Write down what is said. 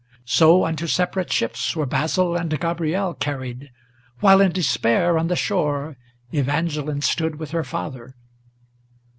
So unto separate ships were Basil and Gabriel carried, While in despair on the shore Evangeline stood with her father.